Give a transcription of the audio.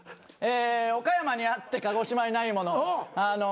岡山にあって鹿児島にないもの。